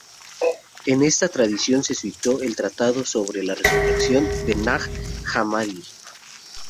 En esta tradición se situó el Tratado sobre la resurrección de Nag Hammadi.